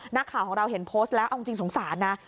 นักข่าวของเราเห็นโพสต์แล้วเอาจริงสงสารนะ